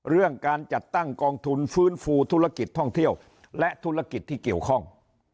เรื่องการจัดตั้งกองทุนฟื้นฟูธุรกิจท่องเที่ยวและธุรกิจที่เกี่ยวข้อง